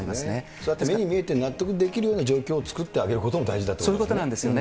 そうやって目に見えて納得できるような状況を作ってあげることも大事だということですね。